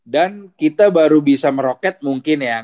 dan kita baru bisa meroket mungkin ya